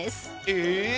え！